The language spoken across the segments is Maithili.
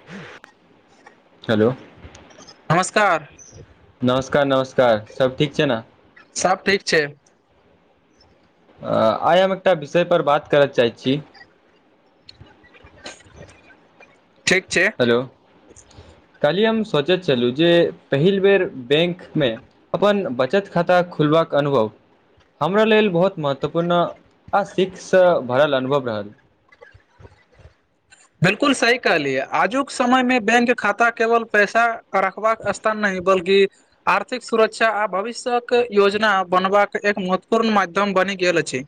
[inaudible] हेलो नमस्कार नमस्कार नमस्कार सब ठीक छै नऽ सब ठीक छै आइ हम एकटा विषय पर बात करत चाहैत छी ठीक छै हेलो कल्हि हम सोचैत छलहुँ जे पहिल बेर बैंक मे अपन बचत खाता खुलबाक अनुभव हमरा लेल बहुत महत्वपूर्ण आ सीखसँ भरल अनुभव रहल बिलकुल सी कहलियै आजुक समय मे बैंक खाता केवल पैसा रखबाक अस त नहि बल्की आर्थिक सुरक्षा आ भविष्यके योजना बनबाक एक महत्वपूर्ण माध्यम बनि गेल अछि।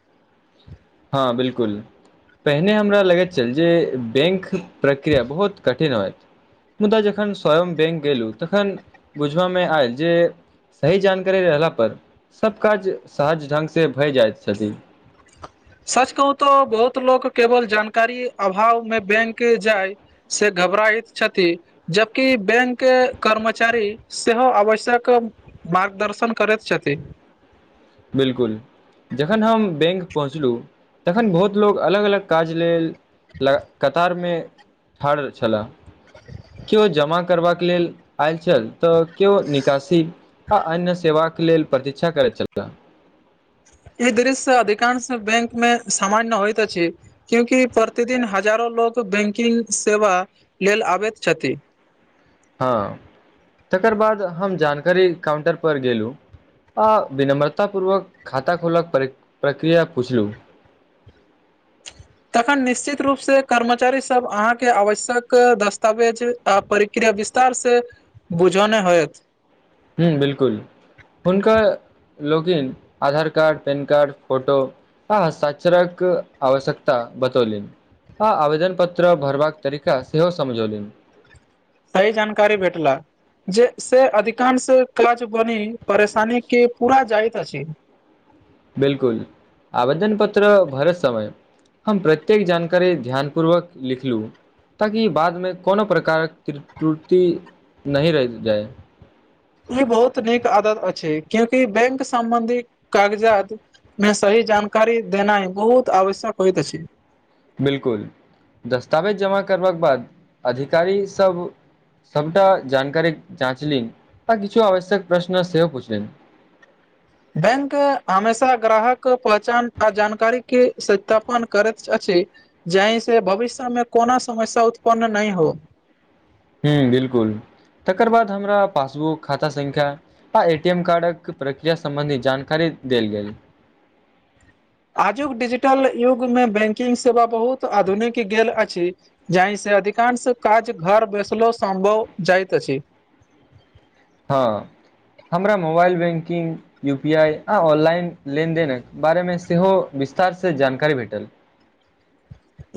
हँ बिल्कुल। पहिने हमरा लगैत छल जे बैंक प्रक्रिया बहुत कठिन होइत। मुदा जखन स्वयं बैंक गेलु तखन बुझबा मे आयल जे सही जानकारी रहला पर सब काज सहज ढंग से भय जाइत छथि। सच कहू तो बहुत लोक केवल जानकारी अभाव मे बैंक जाय से घबराइत छथि। जबकि बैंक कर्मचारी सेहो आवश्यक मार्गदर्शन करैत छथि। बिल्कुल। जखन हम बैंक पहुँचलु तखन बहुत लोग अलग अलग काज लेल लग कतारमे ठाढ़ छला। क्यो जमा करबाक लेल आयल छल तऽ क्यो निकासी आ अन्य सेवाक लेल प्रतीक्षा करैत छलाह। ई दृश्य अधिकांश बैंक मे सामान्य होइत अछि। क्यूंकि प्रतिदिन हजारो लोग बैंकिंग सेवा लेल आबैत छथि। हँ तकर बाद हम जानकारी काउंटर पर गेलु। आ विनम्रता पूर्वक खाता खोलक पर प्रक्रिया पुछलू तखन निश्चित रूपसँ कर्मचारी सब अहाँके आवश्यक दस्तावेज आ परिक्रिया विस्तार से बुझौने होयत। हुँ बिल्कुल हुनका लोगिन Aadhaar card PAN card photo हँ सचराक आवश्यकता बतौलिन आ आवेदन पत्र भरबाक तरीका सेहो समझौलीन सही जानकारी भेटला जे से अधिकांश क्लच बनी परेशानी के पूरा जाइत अछि। बिल्कुल आवेदन पत्र भरैत समय हम प्रत्येक जानकारी ध्यान पूर्वक लिखलू ताकि बादमे कोनो प्रकारक त्रट्रूति नहि रहि जाइ। ई बहुत नीक आदत अछि क्यूंकि बैंक सम्बंधी कागजात मे सही जानकारी देनाइ बहुत आवश्यक होइत अछि। बिल्कुल दस्तावेज जमा करबाक बाद अधिकारी सब सबटा जानकारी जाँचलनि आ किछु आवश्यक प्रश्न सेहो पुछलनि। बैंक हमेशा ग्राहक पहचान आ जानकारी के सत्यापन करैत अछि। जाहि से भविष्यमे कोनो समस्या उत्पन्न नहि हो। हुँ बिल्कुल तकर बाद हमरा पासबुक खाता संख्या आ ए टी एम कार्डक प्रक्रिया सम्बन्धी जानकारी देल गेल। आजुक डिजिटल युग मे बैंकिंग सेवा बहुत आधुनिक गेल अछि। जाहि से अधिकांश काज घर बसलो सम्भव जाइत अछि हँ हमरा mobile banking U P I आ ऑनलाइन लेनदेनक बारेमे सेहो विस्तारसँ जानकारी भेटल।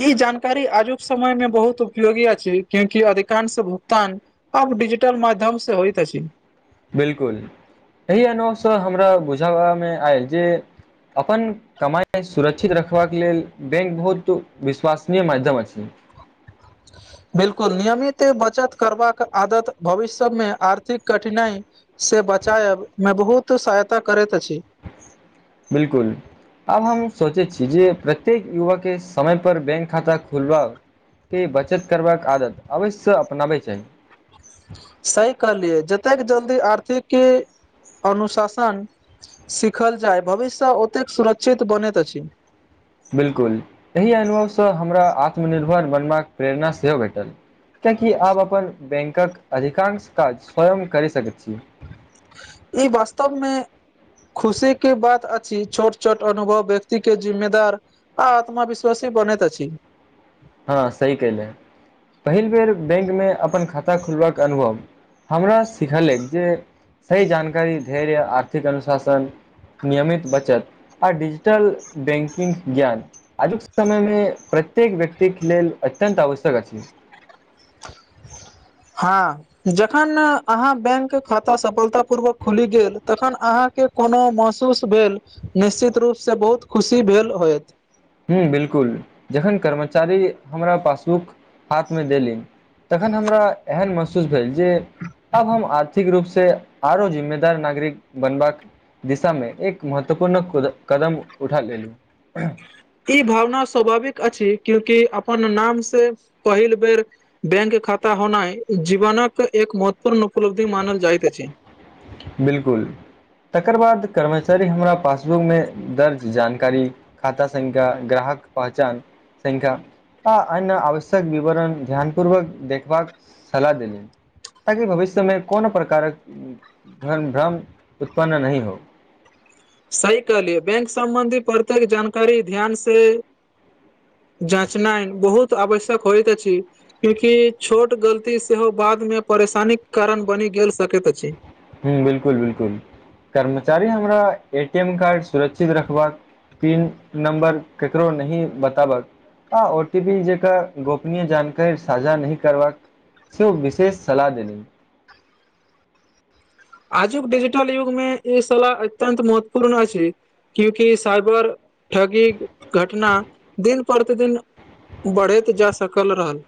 ई जानकारी आजुक समय मे बहुत उपयोगी अछि क्यूंकि अधिकांश भुगतान अब डिजिटल माध्यम से होइत अछि। बिल्कुल एहि अनुवसँ हमरा बुझाबामे आयल जे अपन कमाइ सुरक्षित रखबाक लेल बैंक बहुत विश्वासनीय माध्यम अछि। बिल्कुल नियमिते बचत करबाक आदत भविष्य मे आर्थिक कठिनाइ से बचायब मे बहुत सहायता करैत अछि बिलकुल आब हम सोचे छी जे प्रत्येक युवक केँ समय पर बैंक खाता खोलबा केँ बचत करबाक आदत अवश्य अपनाबै चाही सही कहलियै जतेक जल्दी आर्थिक अनुशासन सिखल जाय भविष्य ओतेक सुरक्षित बनैत अछि बिलकुल एहि अनुभवसँ हमरा आत्मनिर्भर बनबाक प्रेरणा सेहो भेटल कियाकि आप अपन बैंकक अधिकांश काज स्वयं करि सकै छी ई वास्तव मे खुशी की बात अछि छोट छोट अनुभव व्यक्ति केँ जिम्मेदार आ आत्मविश्वासि बनैत अछि हँ सही कयले पहिल बेर बैंक मे अपन खाता खोलबाक अनुभव हमरा सिखलक जे सही जानकारी धैर्य आर्थिक अनुशासन नियमित बचत आ डिजिटल बैंकिंग ज्ञान आजुक समयमे प्रत्येक व्य क्ति लेल अत्यन्त आवश्यक अछि हँ जखन अहाँ बैंक खाता सफलता पूर्वक खुलि गेल तखन अहाँ केँ कोनो महसूस भेल निश्चित रूप से बहुत खुशी भेल होयत हुँ बिलकुल जखन कर्मचारी हमरा पासबुक हाथ में देली तखन हमरा एहेन महसूस भेल जे आब हम आर्थिक रूप से आरो जिम्मेदार नागरिक बनबाक दिशा मे एक महत्वपूर्ण खुद कदम उठा लेली ई भावना स्वाभाविक अछि क्युकि अपन नाम से पहिल बेर बैंक खाता होनाइ जीवनक एक महत्वपूर्ण उपलब्धि मानल जाइत अछि बिलकुल तकर बाद कर्मचारी हमरा पासबुकमे दर्ज जानकारी खाता संख्या ग्राहक पहचान संख्या आ अन्य आवश्यक विवरण ध्यान पूर्वक देखबाक सलाह देलिन ताकि भविष्यमे कोनो प्रकारक भन - - भ्रम उत्पन्न नहि हो सही कहलियै बैंक सम्बन्धी प्रत्येक जानकारी ध्यान से जाचनाइ बहुत आवश्यक होइत अछि क्यूँकि छोट गलती सेहो बादमे परेशानीक कारण बनी गेल सकैत अछि हुँ बिलकुल बिलकुल कर्मचारी हमरा ए टी एम कार्ड सुरक्षित रखबाक पिन नम्बर केकरो नहीं बताबक आ ओ टी पी जेका गोपनीय जानकारी साझा नही करबाक सेहो विशेष सलाह देेली आजुक डिजिटल युग मे ई सलाह अत्यन्त महत्वपूर्ण अछि क्यूकि साइबर ठगी घटना दिन प्रतिदिन बढ़ैत जा सकल रहल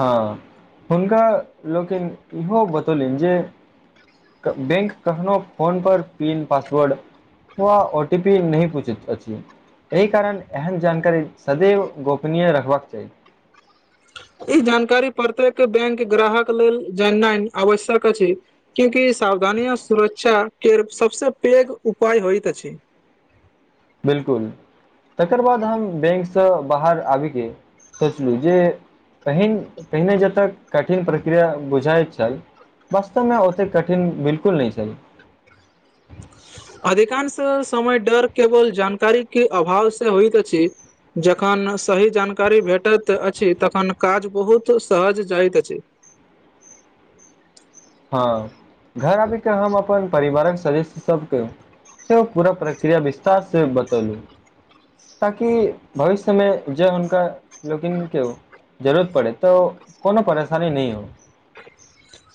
हँ हुनका लोकिन इहो बतौलनि जे बैंक कखनो फोनपर पिन पासवर्ड वा ओ टी पी नहि पूछैत अछि एहि कारण एहन जानकारी सदैव गोपनीय रखबाक चाही ई जानकारी प्रत्येक बैंक ग्राहक लेल जाननाइ आवश्यक अछि क्यूकि सावधानीया सुरक्षा केर सबसे पैघ उपाय होइत अछि बिलकुल तकर बाद हम बैंकसँ बाहर आबिके सोचलहुँ जे पहिन पहिने जत कठिन प्रक्रिया बुझाइत छल वास्तवमे ओते कठिन बिलकुल नहि छै अधिकांश समय डर केवल जानकारी के अभाव से होइत छय जेखन सही जानकारी भेटैत अछि तखन काज बहुत सहज जाइत अछि हँ घर आबि के हम अपन परिवारक सदस्य सब से पूरा प्रक्रिया विस्तार से बतौलू ताकि भविष्यमे जे हुनका लोकिन के ओ जरूरत पड़ै त कोनो परेशानी नहीं हो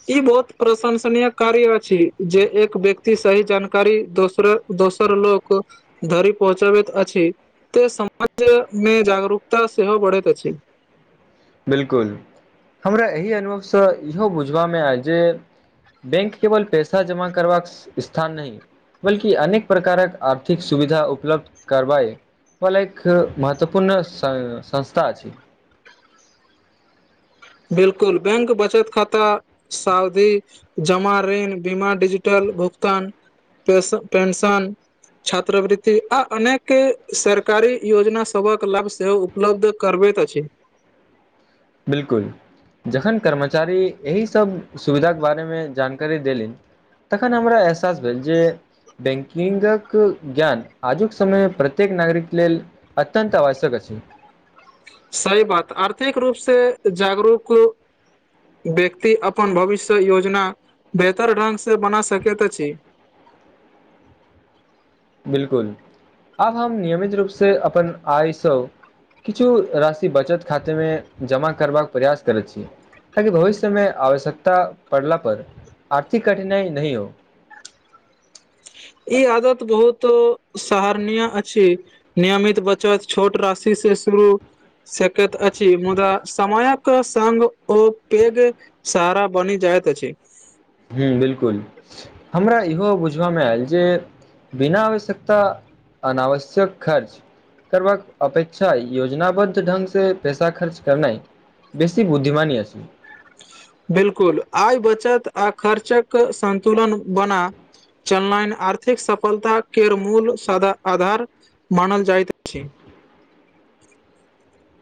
ई बहुत प्रशंसनीय कार्य अछि जे एक व्यक्ति सही जानकारी दोसर दोसर लोक धरी पहुँचाबैत अछि त समाज मे जागरूकता सेहो बढ़ैत अछि बिलकुल हमरा एहि अनुभवसँ इहो बुझबामे अइ जे बैंक केवल पैसा जमा करबाक स्थान नहि बल्कि अनेक प्रकारक आर्थिक सुविधा उपलब्ध करबए बलैक महत्वपूर्ण सं संस्था अछि बिलकुल बैंक बचत खाता सावधी जमा ऋण बीमा डिजिटल भुगतान पेश पेंशन छात्रवृ्तति आ अनेक सरकारी योजना सभक लाभ सेहो उपलब्ध करबेैत छै बिलकुल जखन कर्मचारी एहि सब सुविधाक के बारेमे जानकारी देलनि तखन हमरा एहसास भेल जे बैंकिंगक ज्ञान आजुक समयमे प्रत्येक नागरिक लेल अत्यन्त आवश्यक छै सही बात आर्थिक रूप से जागरूक व्यक्ति अपन भविष्य योजना बेहतर ढ्ंग से बना सकैत छी बिलकुल अब हम नियमित रूप से अपन आयसो किछु राशि बचत खातेमे जमा करबाक प्रयास करैत छी ताकि भविष्यमे आवश्यकता पड़ला पर आर्थिक कठिनाई नहि हो ई आदत बहुत सरनीय अछि नियमित बचत छोट राशि से शुरू सकैत अछि मुदा समयक सगं ओ पेग सारा बनी जायइत छी हुबिलकुल हमरा इहो बुझबयमे आयल जे बिना आवश्यकता अनावश्यक खर्च करबाक अपेक्षा योजनाबद्ध ढ्ंग से पैसा खर्च करनाइ बेसी बुद्धिमानी अ छै बिलकुल आइ बचत आ खर्चक संतुलन बना चनलाइन आर्थिक सफलता के मूल आधार मानल जायत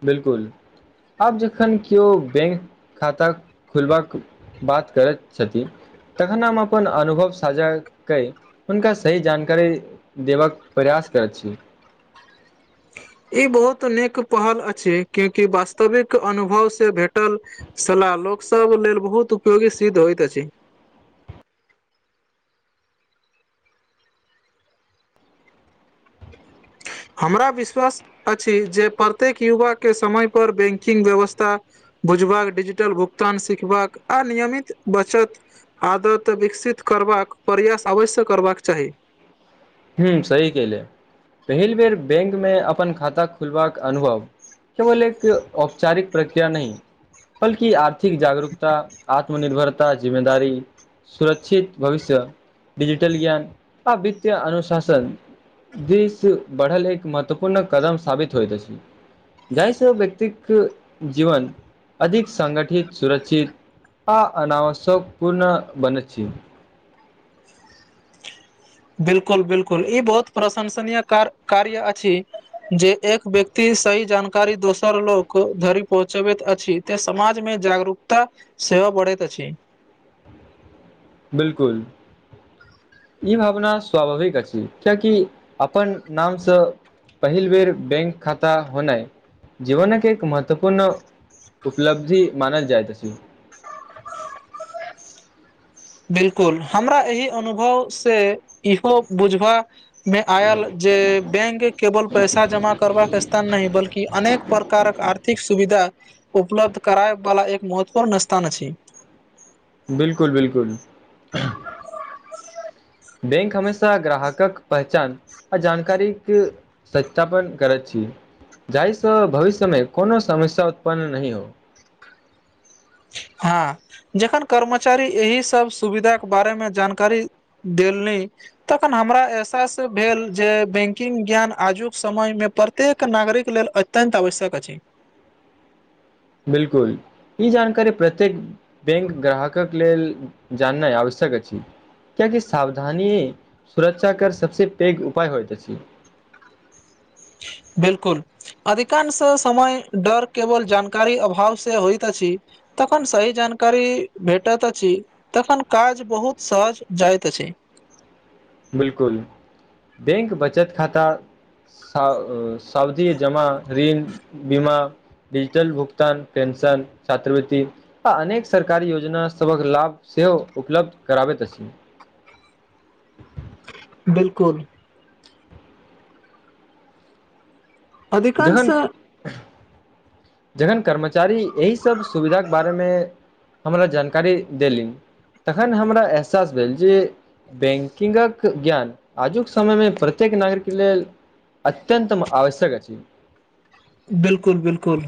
बिलकुल आब जखन कियो बैंक खाता खुलबा बात करैत छथि तखन हम अपन अनुभव साझा कै हुनका सही जानकारी देबबाक प्रयास करैत छी ई बहुत नीक पहल अछि क्याकी वास्तविक अनुभव से भेटल सलाह लोक सब लेल बहुत उपयोगी सिद्ध होइत अछि हमरा विश्वास अछि जे प्रत्येक युवा केँ समय पर बैंकिंग व्यवस्था बुझबाक डिजिटल भुगतान सिखबाक आ नियमित बचत आदत विकसित करबाक प्रयास अवश्य करबाक चाही हू सही केहले पहिल बेर बैंक मे अपन खाता खुलबाक अनुभव केवल एक औपचारिक प्रक्रिया नहि बल्कि आर्थिक जागरूकता आत्मनिर्भरता जिम्मेदारी सुरक्षित भविष्य डिजिटल ज्ञान आ वित्तय अनु शासन दिश बढ़ल एक महत्वपूर्ण कदम साबित होइत अछि जाहिसँ व्यक्तिक जीवन अधिक संगठित सुरक्षित अ अनावश्यक पूर्ण बनैत छी बिल्कुल बिल्कुल इ बहुत प्रशंसनीय कार कार्य अछि जे एक व्यक्ति सही जानकारी दोसर लोक धरि पहुँचबैत अछि तै समाज मे जागरूकता से हो बढ़ैत अछि बिल्कुल [inaudible] ई भावना स्वाभाविक अछि कियकि अपन नामसँ पहिल बेर बैंक खाता होनाइ [inaudible] जीवनक केँ एक महत्वपूर्ण उपलब्धि मानल जाइत अछि बिल्कुल हमरा एहि अनुभव से इहो बुझबा में आयल जे बैंक केवल पैसा जमा करबाक स्थान नहि बल्कि अनेक प्रकारक आर्थिक सुविधा उपलब्ध कराय वाला एक महत्वपूर्ण स्थान छै बिल्कुल बिल्कुल बैंक हमेशा ग्राहकक पहचान आ जानकारी क सत्यापन करैत छी जाहिसँ भविष्यमे कोनो समस्या उत्पन्न नहि हो [unintelligible] जखन कर्मचारी एहि सब सुविधाक केँ बारे मे जानकारी देलनि तखन हमरा एहसास भेल जे बैंकिंग ज्ञान आजुक समय मे प प्रत्येक नागरिक लेल अत्यंत आवश्यक अछि बिल्कुल इ जानकारी प्रत्येक बैंक ग्राहकक लेल जाननाइ आवश्यक अछि क्याकि सावधानी सुरक्षा कर सबसँ पैघ उपाय होइत अछी [inaudible] बिल्कुल अधिकांश समय डर केवल जानकारी अभाव से होइत अछि तखन सही जानकारी भेटत अछी तखन काज बहुत सहज जाइत अछी बिल्कुल [inaudible] बैंक बचत खाता [inaudible] सावधी जमा ऋण बीमा डिजिटल भुगतान पेंशन छात्रवृति आ अनेक सरकारी योजना सभक लाभ सेहो उपलब्ध कराबैत अछि [unintelligible] [inaudible] बिल्कुल अधिकांश जखन जखन कर्मचारी एहि सब सुविधा केँ बारेमे हमरा जानकारी देलिन तखन हमरा एहसास भेल जे बैंकिंगक ज्ञान आजुक समयमे प्रत्येक नागरिक केँ लेल अत्यतम आवश्यक अछि बिल्कुल बिल्कुल